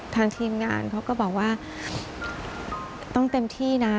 ทางทีมงานเขาก็บอกว่าต้องเต็มที่นะ